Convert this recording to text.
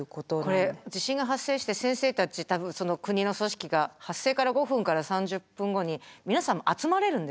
これ地震が発生して先生たち多分その国の組織が発生から５分から３０分後に皆さん集まれるんですか？